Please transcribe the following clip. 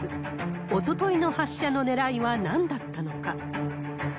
おとといの発射のねらいはなんだったのか。